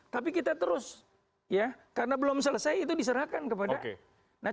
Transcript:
tapi kita terus ya karena belum selesai itu diserahkan kepada